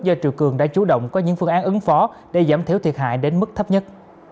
do triều cường đã chủ động có những phương án ứng phó để giảm thiểu thiệt hại đến mức thấp nhất